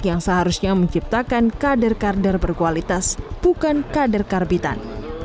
yang seharusnya menciptakan kader kader berkualitas bukan kader karbitan